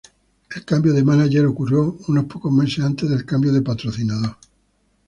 El cambio de manager ocurrió unos pocos meses antes del cambio de patrocinador.